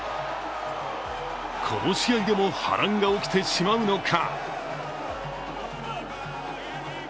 この試合でも波乱が起きてしまうのか。